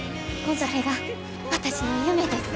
それが私の夢です。